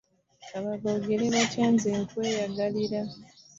Ka babyogere batya nze nkweyagalira.